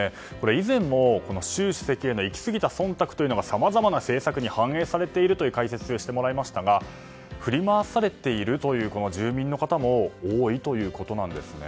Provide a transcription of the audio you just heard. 以前も、習主席への行き過ぎた忖度がさまざまな政策に反映されているという解説をしてもらいましたが振り回されているという住民の方も多いということなんですね。